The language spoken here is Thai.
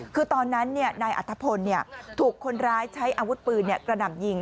คือตอนนั้นนายอัธพลถูกคนร้ายใช้อาวุธปืนกระหน่ำยิง